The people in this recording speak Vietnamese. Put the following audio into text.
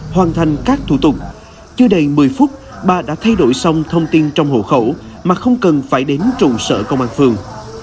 hoàn thành các thủ tục chưa đầy một mươi phút bà đã thay đổi xong thông tin trong hộ khẩu mà không cần phải đến trụ sở công an phường